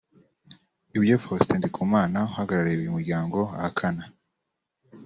ibyo Faustin Ndikumana uhagarariye uyu muryango ahakana